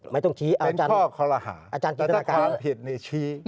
เป็นข้อข้อกรหาแต่ถ้าความผิดเนี่ยชี้